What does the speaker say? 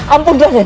ampun ampun raden